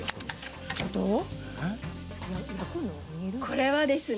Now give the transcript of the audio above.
これはですね